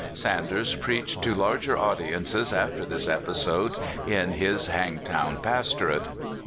Sanders preached to larger audiences after this episode in his "Hangtown" pastorate.